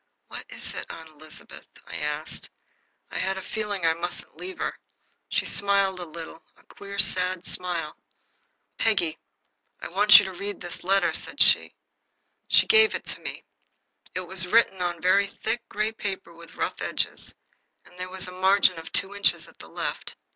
"What is it. Aunt Elizabeth?" I asked. I had a feeling I mustn't leave her. She smiled a little a queer, sad smile. "Peggy," said she, "I want you to read this letter." She gave it to me. It was written on very thick gray paper with rough edges, and there was a margin of two inches at the left.